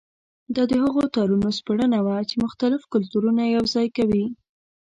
دا د هغو تارونو سپړنه وه چې مختلف کلتورونه یوځای کوي.